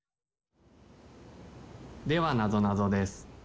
・ではなぞなぞです。